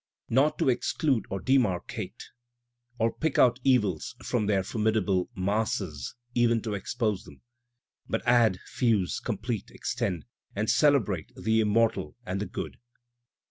Not to exclude or demarcate, or pick out evils from their formidable masses (even to expose them) But add, fuse, complete, extend — and celebrate the immortal and the good.